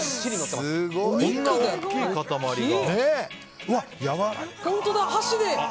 こんな大きい塊が。